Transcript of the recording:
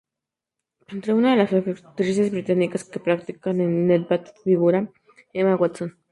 Entre unas de las actrices británicas que practican el netball figura Emma Watson.